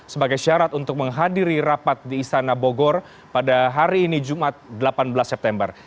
sebagai syarat untuk menghadiri rapat di istana bogor pada hari ini jumat delapan belas september